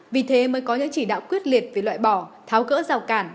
vì thế mới có những chỉ đạo quyết liệt về loại bỏ tháo gỡ rào cản